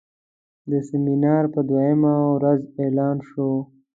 د سیمینار په دوهمه ورځ اعلان شو.